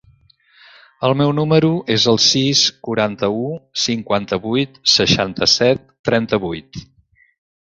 El meu número es el sis, quaranta-u, cinquanta-vuit, seixanta-set, trenta-vuit.